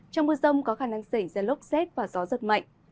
trong mưa rông có khả năng xảy ra lốc xét và gió giật mạnh